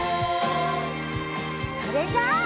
それじゃあ。